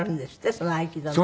その合気道の時。